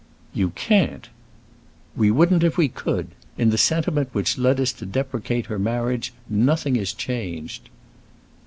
"You can't!" "We wouldn't if we could! In the sentiment which led us to deprecate her marriage nothing is changed."